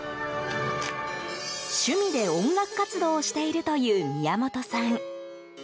趣味で音楽活動をしているという宮本さん。